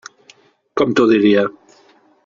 Com t'ho diria?